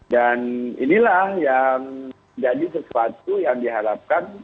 dan inilah yang jadi sesuatu yang diharapkan